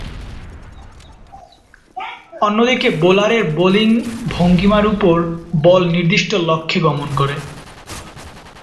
অন্যদিকে বোলারের বোলিং ভঙ্গীমার উপর বল নির্দিষ্ট লক্ষ্যে গমন করে।